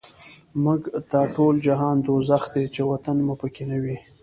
موږ ته ټول جهان دوزخ دی، چی وطن مو په کی نه وی